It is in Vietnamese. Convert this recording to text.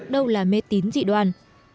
đâu là mê tín dị đoan